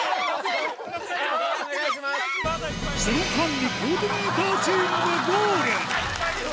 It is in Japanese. その間にコーディネーターチームがゴール